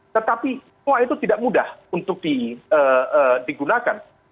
tetapi semua itu tidak mudah untuk digunakan